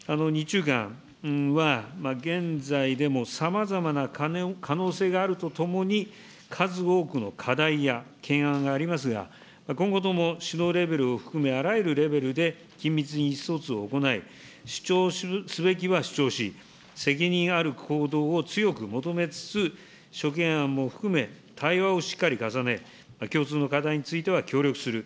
日中間は、現在でもさまざまな可能性があるとともに、数多くの課題や懸案がありますが、今後とも首脳レベルを含め、あらゆるレベルで緊密に意思疎通を行い、主張すべきは主張し、責任ある行動を強く求めつつ、諸懸案も含め、対話をしっかり重ね、共通の課題については協力する。